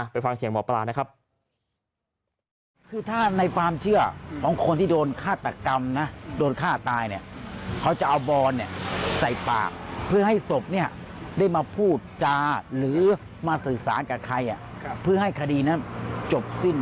ไปฟังเสียงหมอปลานะครับ